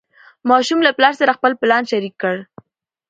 ماشوم له پلار سره خپل پلان شریک کړ